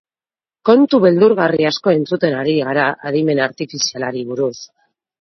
Kontu beldurgarri asko entzuten ari gara adimen artifizialari buruz.